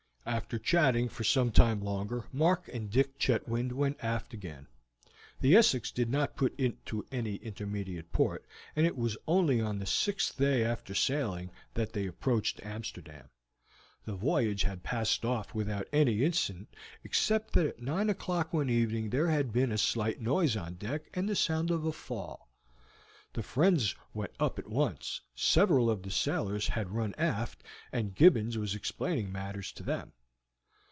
After chatting for some time longer Mark and Dick Chetwynd went aft again. The Essex did not put into any intermediate port, and it was only on the sixth day after sailing that she approached Amsterdam. The voyage had passed off without any incident except that at nine o'clock one evening there had been a slight noise on deck and the sound of a fall. The friends went up at once. Several of the sailors had run aft, and Gibbons was explaining matters to them.